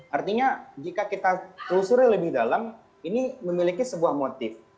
artinya jika kita telusuri lebih dalam ini memiliki sebuah motif